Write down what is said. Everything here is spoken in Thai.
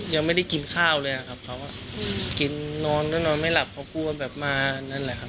ยังไม่ได้กินข้าวเลยนะครับเขานอนไม่หลับเขากลัวแบบมานั่นแหละครับ